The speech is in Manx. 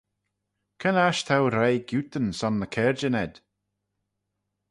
Cre'n aght t'ou reih giootyn son ny caarjyn ayd?